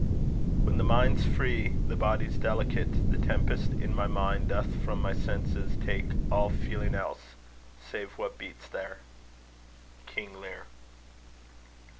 When the mind's free, The body's delicate: the tempest in my mind Doth from my senses take all feeling else Save what beats there. King Lear.